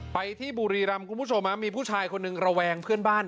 ไปที่บุรีรำคุณผู้ชมมีผู้ชายคนหนึ่งระแวงเพื่อนบ้าน